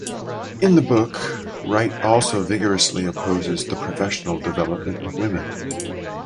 In the book, Wright also vigorously opposes the professional development of women.